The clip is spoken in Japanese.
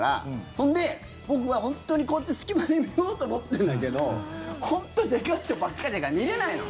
それで、僕はこうやって隙間で見ようと思ってるんだけど本当にでかい人ばかりだから見れないの。